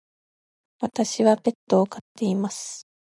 私はペットを飼っています。